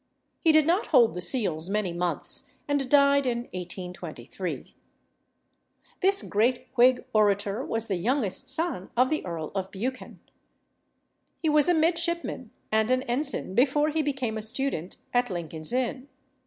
He did not hold the seals many months, and died in 1823. This great Whig orator was the youngest son of the Earl of Buchan. He was a midshipman and an ensign before he became a student at Lincoln's Inn.